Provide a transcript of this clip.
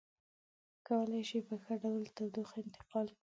کولی شي په ښه ډول تودوخه انتقال کړي.